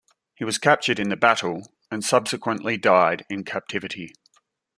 He was captured in the battle, and subsequently died in captivity.